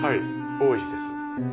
大石です